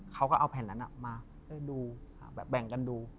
เขาก็เอาแผ่นนั้นมาดูแบบแบ่งกันดู